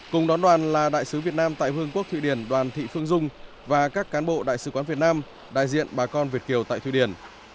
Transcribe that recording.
cùng đón đoàn là đại sứ việt nam tại vương quốc thụy điển đoàn thị phương dung và các cán bộ đại sứ quán việt nam đại diện bà con việt kiều tại thụy điển